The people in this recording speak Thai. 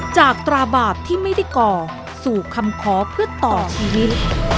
ตราบาปที่ไม่ได้ก่อสู่คำขอเพื่อต่อชีวิต